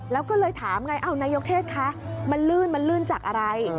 แล้วก็เลยถามไงนายกเทศคะมันลื่นมันลื่นจากอะไร